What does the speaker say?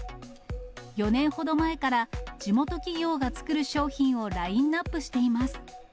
４年ほど前から地元企業が作る商品をラインナップしています。